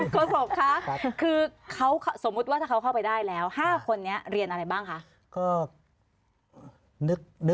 โศกคะคือเขาสมมุติว่าถ้าเขาเข้าไปได้แล้ว๕คนนี้เรียนอะไรบ้างคะ